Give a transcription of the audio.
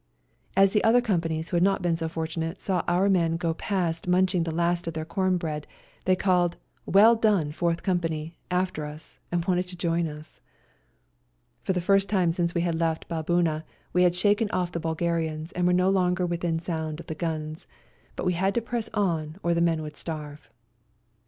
As the other companies who had not been so fortunate saw our men go past munching the last of their corn meal bread they called, "Well done. Fourth Company!" after us, and wanted to join us. For the first time since we had left Baboona we had shaken off the Bui L 160 ELBASAN garians and were no longer within sound of the guns, but we had to press on or the men would starve.